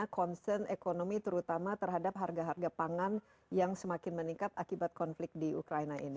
karena concern ekonomi terutama terhadap harga harga pangan yang semakin meningkat akibat konflik di ukraina ini